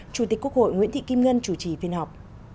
chủ tịch quốc hội nguyễn thị kim ngân chủ trì phiên họp